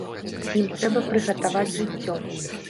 Ім трэба прыгатаваць жыццё.